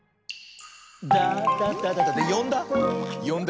よんだ？